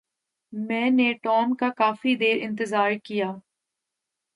میں نے ٹام کا کافی دیر انتظار کیا۔